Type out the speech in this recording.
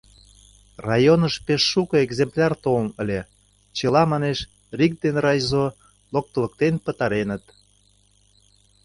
— Районыш пеш шуко экземпляр толын ыле, чыла, манеш; рик ден райзо локтылыктен пытареныт.